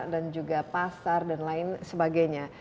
dan juga pasar dan lain sebagainya